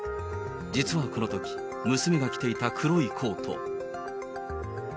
実はこのとき、娘が着ていた黒いコート。